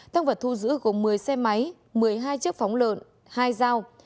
thăng vật thu giữ gồm một mươi xe máy một mươi hai chiếc phóng lợn hai dao